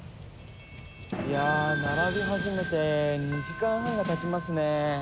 いやあ並び始めて２時間半が経ちますね。